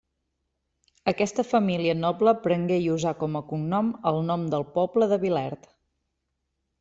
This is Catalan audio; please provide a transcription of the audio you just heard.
Aquesta família noble prengué i usà com a cognom el nom del poble de Vilert.